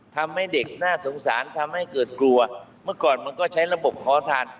ทำให้เด็กน่าสงสารทำให้เกิดกลัวเมื่อก่อนมันก็ใช้ระบบขอทาน